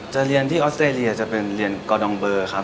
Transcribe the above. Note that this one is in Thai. จะเรียนที่ออสเตรเลียจะเป็นเรียนกอดองเบอร์ครับ